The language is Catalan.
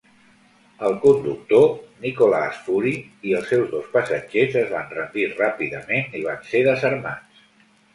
El conductor, Nicolaas Fourie, i els seus dos passatgers es van rendir ràpidament i van ser desarmats.